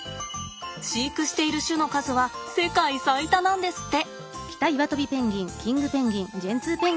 飼育している種の数は世界最多なんですって。